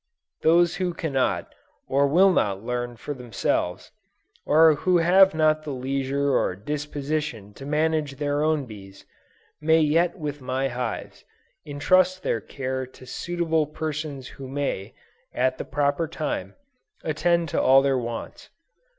Those who cannot, or will not learn for themselves, or who have not the leisure or disposition to manage their own bees, may yet with my hives, entrust their care to suitable persons who may, at the proper time, attend to all their wants.